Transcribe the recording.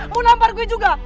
mau nampar gue juga